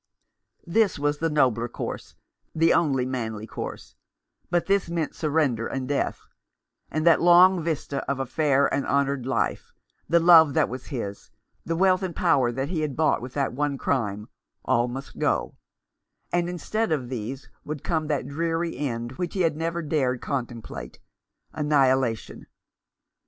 This were the nobler course, the only manly course ; but this meant surrender and death ; and that long vista of a fair and honoured life, the love that was his, the wealth and power that he had bought with that one crime, all must go ; and instead of these would come that dreary end which he had never dared contemplate — annihilation.